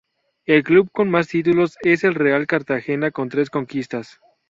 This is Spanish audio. El club con más títulos es el Real Cartagena con tres conquistas.